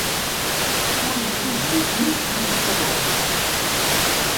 Ur yelli d nutni i yugin ad ṛuḥen.